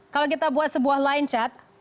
kalau kita buat sebuah line chat